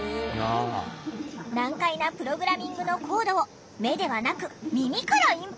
難解なプログラミングのコードを目ではなく耳からインプット。